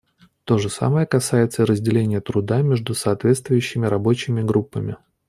То же самое касается и разделения труда между соответствующими рабочими группами.